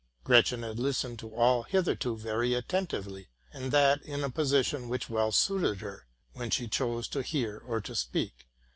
Gretchen had listened to all hitherto very attentively, and that in a position which well suited her, whether she chose to hear or to speak.